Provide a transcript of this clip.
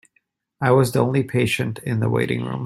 I was the only patient in the waiting room.